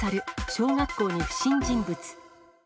小学校に不審人物。